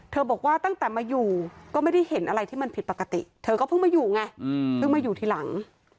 บอกว่าตั้งแต่มาอยู่ก็ไม่ได้เห็นอะไรที่มันผิดปกติเธอก็เพิ่งมาอยู่ไงเพิ่งมาอยู่ทีหลัง